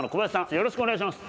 よろしくお願いします。